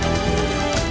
teganya teganya teganya